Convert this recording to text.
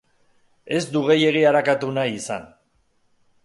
Ez du gehiegi arakatu nahi izan.